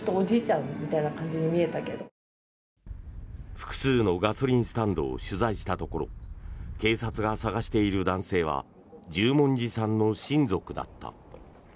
複数のガソリンスタンドを取材したところ警察が捜している男性は十文字さんの親族だった。